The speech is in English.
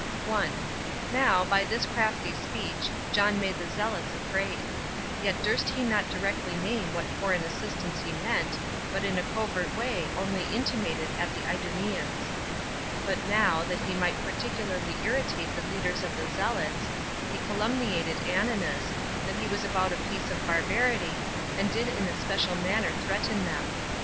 1. Now, by this crafty speech, John made the zealots afraid; yet durst he not directly name what foreign assistance he meant, but in a covert way only intimated at the Idumeans. But now, that he might particularly irritate the leaders of the zealots, he calumniated Ananus, that he was about a piece of barbarity, and did in a special manner threaten them.